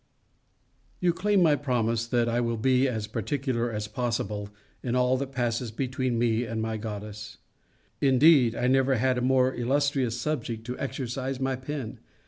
You claim my promise, that I will be as particular as possible, in all that passes between me and my goddess. Indeed, I never had a more illustrious subject to exercise my pen.